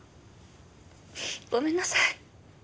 ごめんなさい。